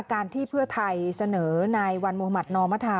การที่เพื่อไทยเสนอนายวันมุหมัตินอมธา